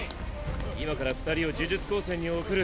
今から二人を呪術高専に送る。